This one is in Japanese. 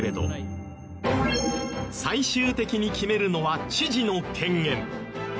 最終的に決めるのは知事の権限。